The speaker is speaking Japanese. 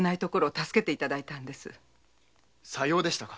さようでしたか。